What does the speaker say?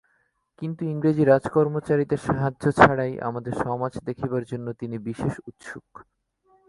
কিন্তু ইংরেজ রাজকর্মচারীদের সাহায্য ছাড়াই আমাদের সমাজ দেখিবার জন্য তিনি বিশেষ উৎসুক।